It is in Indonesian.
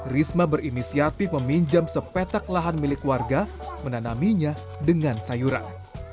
risma berinisiatif meminjam sepetak lahan milik warga menanaminya dengan sayuran